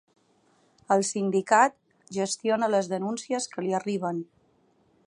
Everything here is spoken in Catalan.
El sindicat gestiona les denúncies que li arriben.